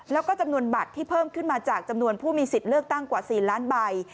แล้วก็จำนวนบัตรที่เพิ่มขึ้นมาจากจำนวนผู้มีสิทธิ์เลือกตั้งกว่า๔ล้านใบ